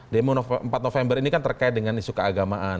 demo empat november ini kan terkait dengan isu keagamaan